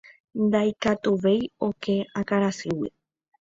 Ndaikatuvéi oke akãrasýgui.